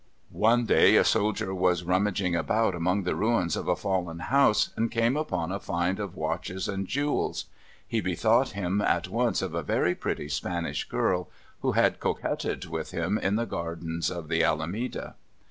One day a soldier was rummaging about among the ruins of a fallen house, and came upon a find of watches and jewels. He bethought him at once of a very pretty Spanish girl who had coquetted with him in the gardens of the Alameda.